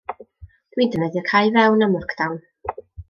Dwi'n defnyddio cau fewn am lock down.